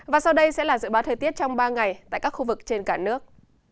và sau đây sẽ là dự báo thời tiết trong ba ngày tại các khu vực trên cả nước